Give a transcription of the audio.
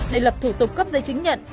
để lập thủ tục cấp giấy chứng nhận